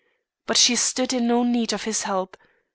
But she stood in no need of his help.